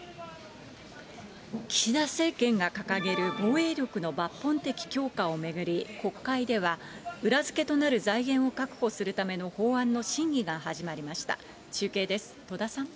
岸田政権が掲げる、防衛力の抜本的強化を巡り、国会では、裏付けとなる財源を確保するための法案の審議が始まりました。